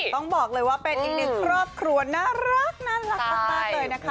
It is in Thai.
ต้องบอกเลยว่าเป็นอีกหนึ่งครอบครัวน่ารักมากเลยนะคะ